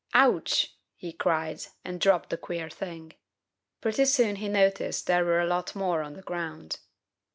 "Ooch," he cried, and dropped the queer thing. Pretty soon he noticed there were a lot more on the ground.